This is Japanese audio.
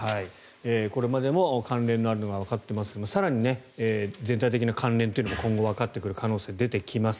これまでも関連があるのはわかっていましたが更に全体的な関連というのも今後わかってくる可能性が出てきます。